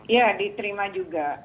ya diterima juga